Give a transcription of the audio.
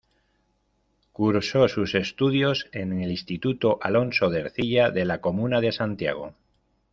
Cursó sus estudios en el Instituto Alonso de Ercilla de la comuna de Santiago.